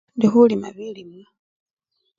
Indi khulima bilimwa.